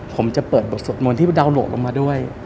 ผมจะเปิดบทสวดมนต์ที่ดาวนโหลดลงมาด้วย